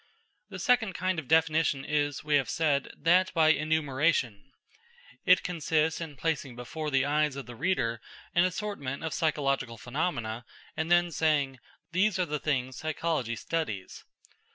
The second kind of definition is, we have said, that by enumeration. It consists in placing before the eyes of the reader an assortment of psychological phenomena and then saying: "These are the things psychology studies."